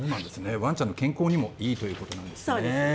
ワンちゃんの健康にもいいということなんですね。